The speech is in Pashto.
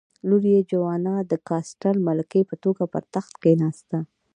لور یې جوانا د کاسټل ملکې په توګه پر تخت کېناسته.